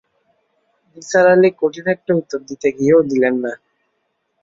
নিসার আলি কঠিন একটা উত্তর দিতে গিয়েও দিলেন না।